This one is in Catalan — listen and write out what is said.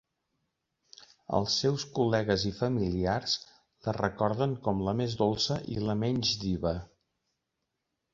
Els seus col·legues i familiars la recorden com la més dolça i la menys diva.